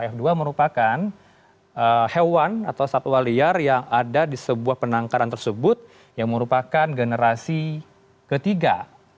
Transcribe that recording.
f dua merupakan hewan atau satwa liar yang ada di sebuah penangkaran tersebut yang merupakan generasi ketiga